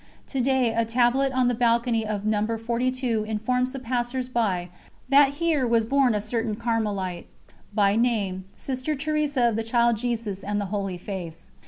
To day a tablet on the balcony of No. 42 informs the passers by that here was born a certain Carmelite, by name, Sister Teresa of the Child Jesus and the Holy Face.